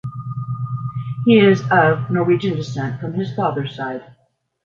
He is of Norwegian descent from his father's side.